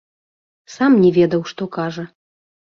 Сам не ведаў, што кажа!